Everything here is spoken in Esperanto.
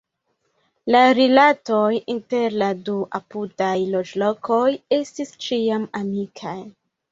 La rilatoj inter la du apudaj loĝlokoj estis ĉiam amikaj.